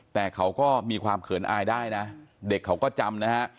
แต่เขาก็มีความเขินอายได้นะเด็กเขาก็จำนะฮะ